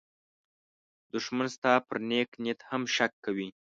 دښمن ستا پر نېک نیت هم شک کوي